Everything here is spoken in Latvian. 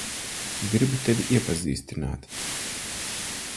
Gribu tevi iepazīstināt.